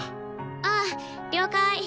ああ了解。